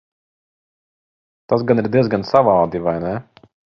Tas gan ir diezgan savādi, vai ne?